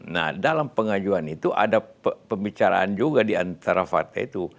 nah dalam pengajuan itu ada pembicaraan juga diantara fakta itu